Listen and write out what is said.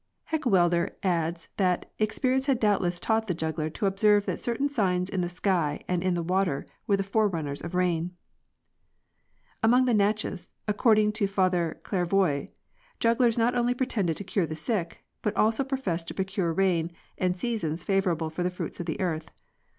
Heckewelder adds that '' Experience had doubtless taught the juggler to observe that certain signs in the sky and in the water were the forerunners of rain." Among the Natchez, according to Father Charlevoix,t jugglers not only pretended to cure the sick, but also professed to procure rain and seasons favorable for the fruits of the earth.